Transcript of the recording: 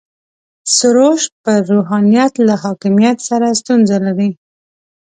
سروش پر روحانیت له حاکمیت سره ستونزه لري.